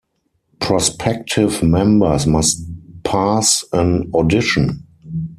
Prospective members must pass an audition.